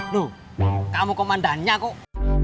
lo kamu komandannya kok